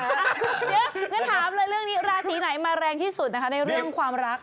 เยอะอย่างนั้นถามเรื่องนี้ราศีไหนมาแรงที่สุดในเรื่องความรัก